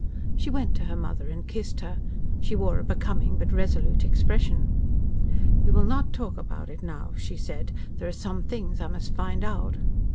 She went to her mother and kissed her. She wore a becoming but resolute expression. "We will not talk about it now," she said. "There are some things I must find out."